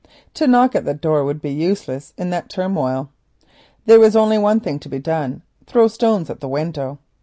To knock at the door would be useless in that turmoil. There was only one thing to be done —throw stones at the window.